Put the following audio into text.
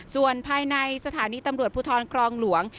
ส่วนภายในสถานีตำรวจภูทรครองหลวง